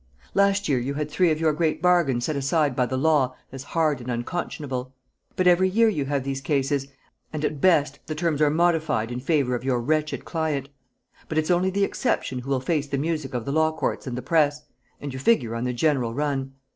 Last year you had three of your great bargains set aside by the law as hard and unconscionable; but every year you have these cases, and at best the terms are modified in favour of your wretched client. But it's only the exception who will face the music of the law courts and the Press, and you figure on the general run.